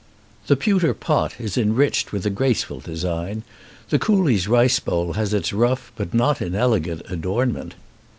The pewter pot is enriched with a graceful design; the coolie's rice bowl has its rough but not inelegant adornment.